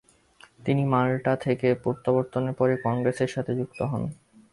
তিনি মাল্টা থেকে প্রত্যাবর্তনের পরই কংগ্রেসের সাথে যুক্ত হন।